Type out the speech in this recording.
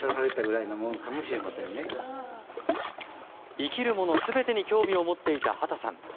生きるもの全てに興味を持っていた畑さん。